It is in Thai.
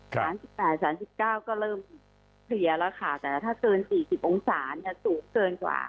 ๓๘๓๙ก็เริ่มเคลียร์แล้วค่ะแต่ถ้าเกิน๔๐องศาสูงเกินกว่า